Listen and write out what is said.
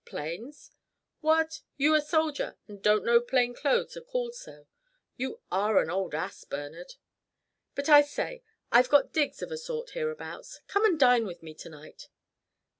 "Plains?" "What! you a soldier and don't know plain clothes are called so. You are an old ass, Bernard. But, I say, I've got digs of a sort hereabouts. Come and dine with me to night."